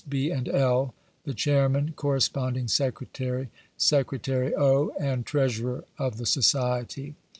C, S., B., and L., the Chairman, Corresponding Secretary, Secretary O., and Treasurer of the Society.